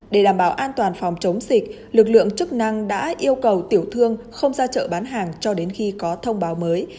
để đảm bảo an toàn phòng chống dịch lực lượng chức năng đã yêu cầu tiểu thương không ra chợ bán hàng cho đến khi có thông báo mới